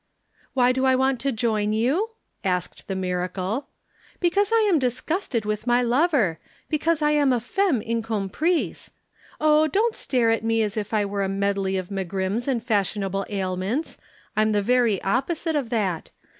"Why do I want to join you?" asked the miracle. "Because I am disgusted with my lover because I am a femme incomprise. Oh, don't stare at me as if I were a medley of megrims and fashionable ailments, I'm the very opposite of that.